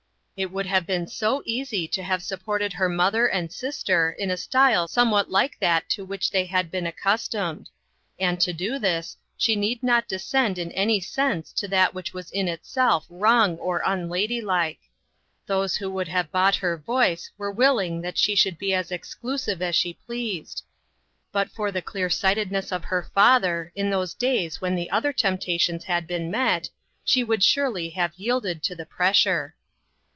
It would have been so easy to have sup ported her mother and sister in a style somewhat like that to which they had been accustomed ; and to do this, she need not descend in any sense to that which was in itself wrong or unladylike. Those who would have bought her voice were willing that she should be as exclusive as she pleased. But for the clear sightedness of the father, in those days when the other temptations had been met, she would surely have yielded to the pressure.